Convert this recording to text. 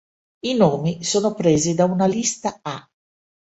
I nomi sono presi da una "lista A".